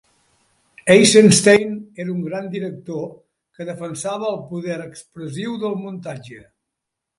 Eisenstein era un gran director que defensava el poder expressiu del muntatge.